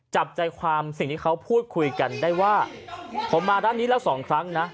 จับใจความสิ่งที่เขาพูดคุยกันได้ว่าผมมาด้านนี้แล้วสองครั้งนะ